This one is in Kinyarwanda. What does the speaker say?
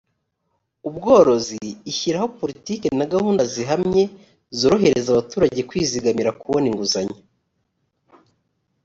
ubworozi ishyiraho politiki na gahunda zihamye zorohereza abaturage kwizigamira kubona inguzanyo